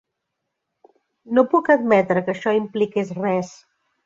No puc admetre que això impliqués res.